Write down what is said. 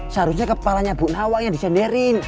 seharusnya kepalanya bu nawang yang disenderin